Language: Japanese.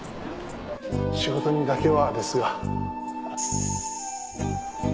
「仕事にだけは」ですが。